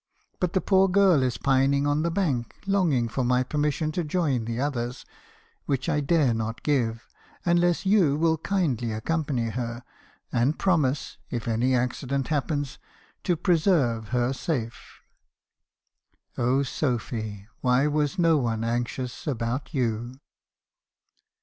But the poor girl is pining on the bank, longing for my permission to join the others, which I dare not give, unless you will kindly accompany her y and pro mise , if any accident happens , to preserve her safe.' ". Oh , Sophy, why was no one anxious about you?"